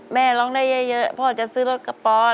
แม่ร้องได้เยอะพ่อจะซื้อรถกระเพาะ